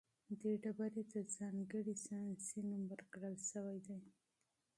دې ډبرې ته ځانګړی ساینسي نوم ورکړل شوی دی.